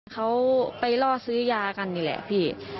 เขาไปล่อซื้อยากันนี่แหละพี่